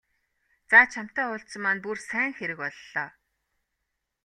За чамтай уулзсан маань бүр сайн хэрэг боллоо.